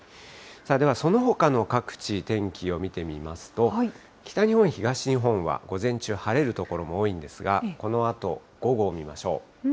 ではそのほかの各地、天気を見てみますと、北日本、東日本は午前中晴れる所も多いんですが、このあと、午後を見ましょう。